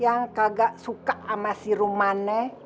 yang kagak suka sama si rumana